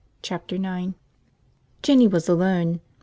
Chapter Nine JINNY was alone.